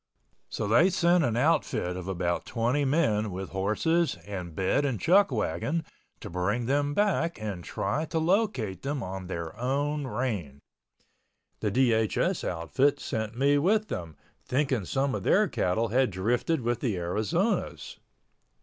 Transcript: So they sent an outfit of about 20 men with horses and bed and chuckwagon to bring them back and try to locate them on their own range. The DHS outfit sent me with them, thinking some of their cattle had drifted with the Arizona's.